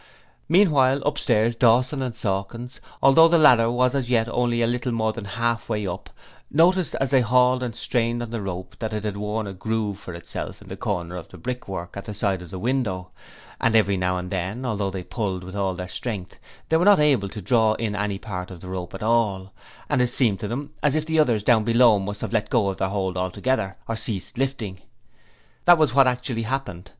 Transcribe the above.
Meanwhile, upstairs, Dawson and Sawkins although the ladder was as yet only a little more than half the way up noticed, as they hauled and strained on the rope, that it had worn a groove for itself in the corner of the brickwork at the side of the window; and every now and then, although they pulled with all their strength, they were not able to draw in any part of the rope at all; and it seemed to them as if those others down below must have let go their hold altogether, or ceased lifting. That was what actually happened.